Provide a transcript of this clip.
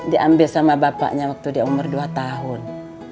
diambil sama bapaknya waktu di umur dua tahun